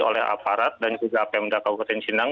oleh aparat dan juga apm dakaupaten sindang